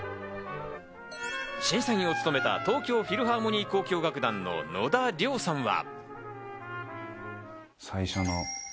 審査員を務めた東京フィルハーモニー交響楽団の野田亮さんは。